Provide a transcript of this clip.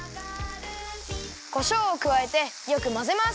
こしょうをくわえてよくまぜます。